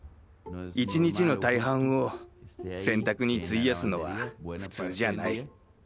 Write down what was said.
１日の大半を洗濯に費やすのは普通じゃない。